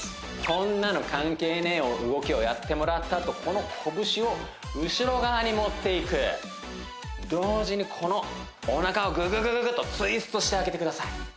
そんなの関係ねぇを動きをやってもらったあとこのこぶしを後ろ側に持っていく同時にこのおなかをグググググとツイストしてあげてください